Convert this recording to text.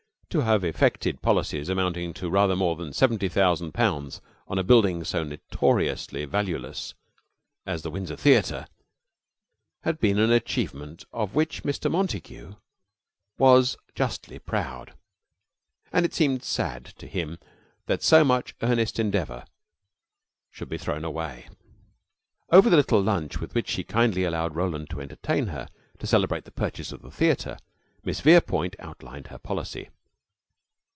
To have effected policies amounting to rather more than seventy thousand pounds on a building so notoriously valueless as the Windsor Theater had been an achievement of which Mr. Montague was justly proud, and it seemed sad to him that so much earnest endeavor should be thrown away. Over the little lunch with which she kindly allowed Roland to entertain her, to celebrate the purchase of the theater, Miss Verepoint outlined her policy.